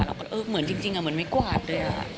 เราก็เลยเอ้อเหมือนจริงอะไม่กวาดเลยอะ